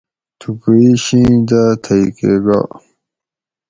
تھوکو ئ شینش داۤ تئ کہ گا